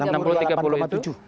enam puluh sama tiga puluh itu